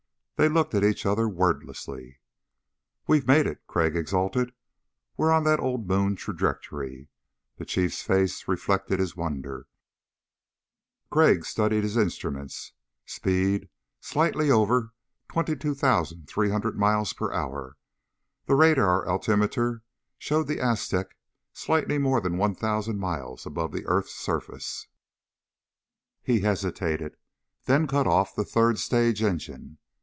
They looked at each other wordlessly. "We've made it," Crag exulted. "We're on that old moon trajectory." The Chiefs face reflected his wonder. Crag studied his instruments. Speed slightly over 22,300 miles per hour. The radar altimeter showed the Aztec slightly more than one thousand miles above the earth's surface. He hesitated, then cut off the third stage engine.